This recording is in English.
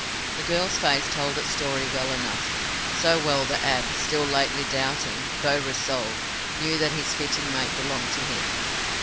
The girl's face told its story well enough, so well that Ab, still lately doubting, though resolved, knew that his fitting mate belonged to him.